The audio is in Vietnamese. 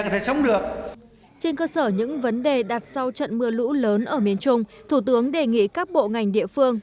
trên cơ sở những vấn đề đặt sau trận mưa lũ lớn ở miền trung thủ tướng đề nghị các bộ ngành địa phương